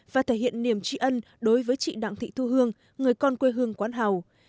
và thể hiện niềm trí ân đối với chị đặng thị thu hương người con quê hương quán hầu